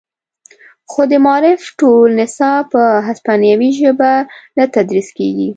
خو د معارف ټول نصاب په هسپانوي ژبه نه تدریس کیږي